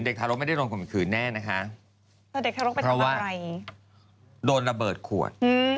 เด็กทารกไม่ได้โดนข่มขืนแน่นะคะเพราะว่าโดนระเบิดขวด